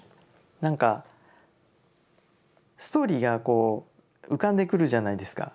なんかストーリーがこう浮かんでくるじゃないですか。